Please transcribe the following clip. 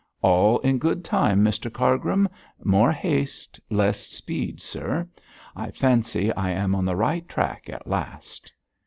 'All in good time, Mr Cargrim. More haste less speed, sir. I fancy I am on the right track at last.'